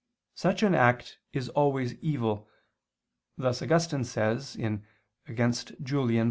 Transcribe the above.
Such an act is always evil: thus Augustine says (Contra Julian.